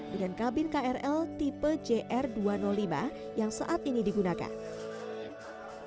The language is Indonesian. dengan kabin krl tipe jr dua ratus lima yang saat ini digunakan